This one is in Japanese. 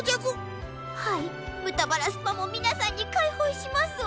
はいぶたバラスパもみなさんにかいほうしますわ。